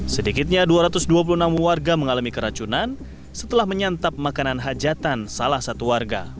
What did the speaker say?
sedikitnya dua ratus dua puluh enam warga mengalami keracunan setelah menyantap makanan hajatan salah satu warga